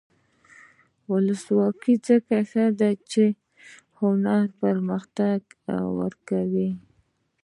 ولسواکي ځکه ښه ده چې هنر پرمختګ ورکوي.